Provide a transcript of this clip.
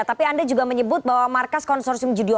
tapi anda juga menyebut bahwa markas konsorsium judi online